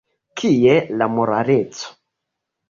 Kie la moraleco?